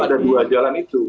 ada dua jalan itu